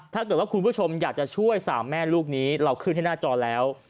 ถ้าเกิดว่าคุณผู้ชมอยากจะช่วย๓แม่ลูกนี้เราขึ้นให้หน้าจอแล้ว